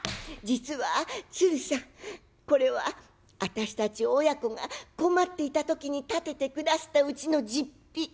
「実は鶴さんこれは私たち親子が困っていた時に建ててくだすった家の実費。